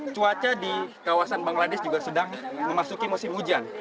cuaca di kawasan bangladesh juga sedang memasuki musim hujan